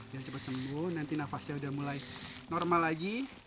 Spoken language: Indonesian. jangan cepat sembuh nanti nafasnya udah mulai normal lagi